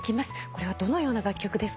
これはどのような楽曲ですか？